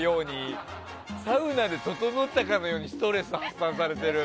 サウナで整ったかのようにストレス発散されてる。